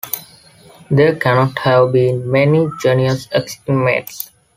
There cannot have been many genuine ex-inmates.